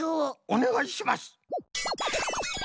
おねがいします！